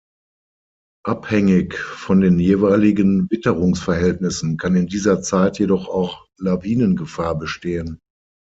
Abhängig von den jeweiligen Witterungsverhältnissen kann in dieser Zeit jedoch auch Lawinengefahr bestehen.